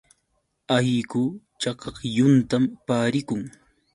Allqu chakaklluntam pariqun.